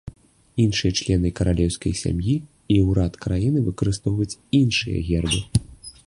Іншыя члены каралеўскай сям'і і ўрад краіны выкарыстоўваюць іншыя гербы.